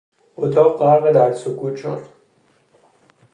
اتاق غرق در سکوت شد.